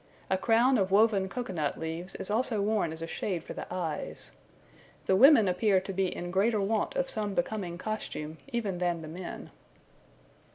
A crown of woven cocoa nut leaves is also worn as a shade for the eyes. The women appear to be in greater want of some becoming costume even than the men.